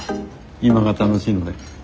今が楽しいので。